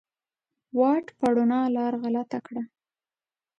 واټ په روڼا لار غلطه کړه